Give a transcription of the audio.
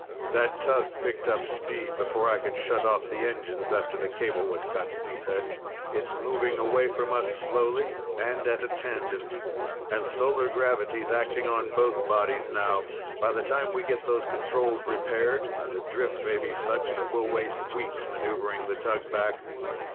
"That tug picked up speed before I could shut off the engines, after the cable was cut," he said. "It's moving away from us slowly, and at a tangent. And solar gravity's acting on both bodies now. By the time we get those controls repaired, the drift may be such that we'll waste weeks maneuvering the tug back."